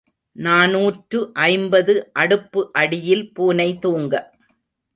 நாநூற்று ஐம்பது அடுப்பு அடியில் பூனை தூங்க.